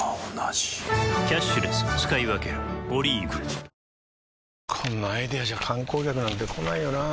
いや、本当に、こんなアイデアじゃ観光客なんて来ないよなあ